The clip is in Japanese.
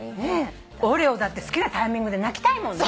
オレオだって好きなタイミングで鳴きたいもんね。